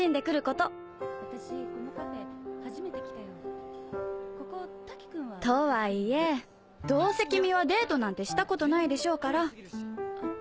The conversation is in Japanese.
ここ瀧くんは。とはいえどうせ君はデートなんてしたことないでしょうから。